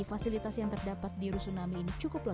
fasilitas yang terdapat di rusunami ini cukup lengkap